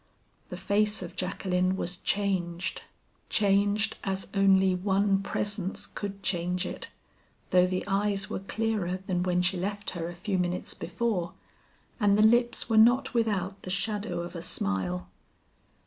The face of Jacqueline was changed changed as only one presence could change it, though the eyes were clearer than when she left her a few minutes before, and the lips were not without the shadow of a smile.